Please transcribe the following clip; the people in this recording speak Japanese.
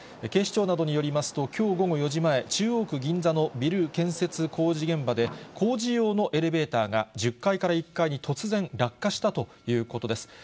警視庁などによりますと、きょう午後４時前、中央区銀座のビル建設工事現場で、工事用のエレベーターが、１０階から１階に突然落下したということです。